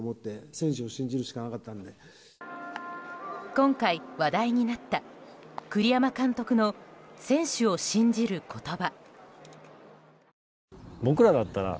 今回、話題になった栗山監督の選手を信じる言葉。